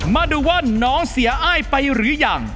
มาดูว่าน้องเสียอ้ายไปหรือยัง